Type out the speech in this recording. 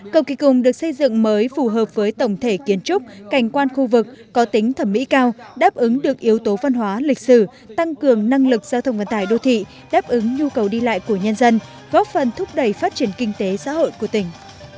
cầu kỳ cùng được xây dựng mới phù hợp với tổng thể kiến trúc cảnh quan khu vực có tính thẩm mỹ cao đáp ứng được yếu tố văn hóa lịch sử tăng cường năng lực giao thông vận tải đô thị đáp ứng nhu cầu đi lại của nhân dân góp phần thúc đẩy phát triển kinh tế xã hội của tỉnh